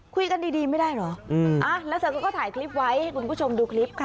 คุยกันดีไม่ได้เหรอแล้วเสร็จเขาก็ถ่ายคลิปไว้ให้คุณผู้ชมดูคลิปค่ะ